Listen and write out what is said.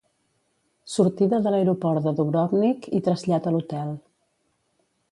Sortida de l'aeroport de Dubrovnik i trasllat a l'hotel.